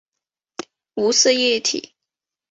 无色液体。